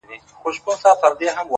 o زما هغـه ســـترگو ته ودريـــږي،